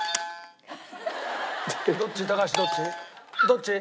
どっち？